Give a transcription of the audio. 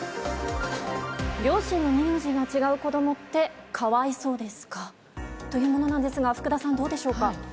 両親の名字が違う子どもって、かわいそうですか？というものなんですが、福田さんどうなんでしょうか。